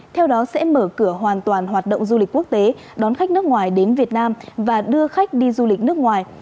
theo đó sẽ mở cửa hoàn toàn hoạt động du lịch quốc tế đón khách nước ngoài đến việt nam và đưa khách đi du lịch nước ngoài